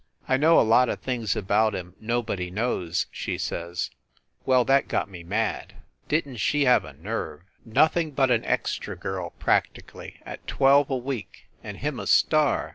"I know a lot of things about him nobody knows," she says. Well, that got me mad. Didn t she have a nerve? Nothing but an 1 76 FIND THE WOMAN extra girl, practically, at twelve a week, and him a star!